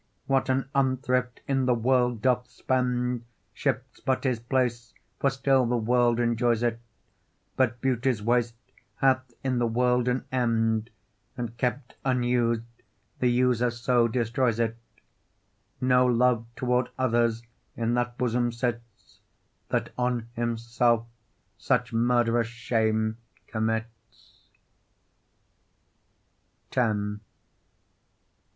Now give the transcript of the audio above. what an unthrift in the world doth spend Shifts but his place, for still the world enjoys it; But beauty's waste hath in the world an end, And kept unused the user so destroys it. No love toward others in that bosom sits That on himself such murd'rous shame commits.